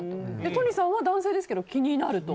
都仁さんは男性ですけど気になると。